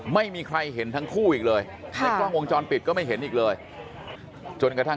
ไม่มีใครเห็นทั้งคู่อีกเลยในกล้องวงจรปิดก็ไม่เห็นอีกเลยจนกระทั่ง